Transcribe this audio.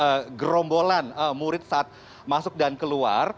jadi ini adalah gerombolan murid saat masuk dan keluar